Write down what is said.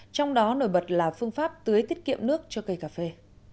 trong đó nổi bật là phương pháp tưới tiết kiệm nước cho cây cà phê